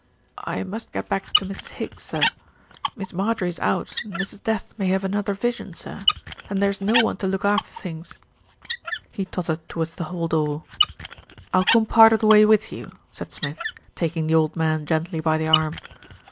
"I must get back to Mrs. Higgs, sir. Miss Marjorie's out and Mrs. Death may have another vision, sir, and there's no one to look after things." He tottered towards the hall door. "I'll come part of the way with you," said Smith, taking the old man gently by the arm.